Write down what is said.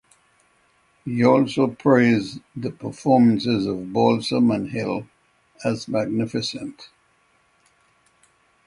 He also praised the performances of Balsam and Hill as "magnificent".